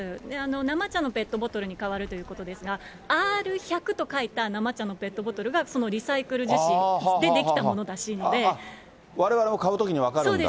生茶のペットボトルに変わるということですが、Ｒ１００と書いた生茶のペットボトルがそのリサイクル樹脂で出来われわれも買うときに分かるんだ。